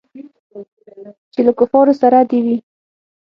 چې له کفارو سره دې وي.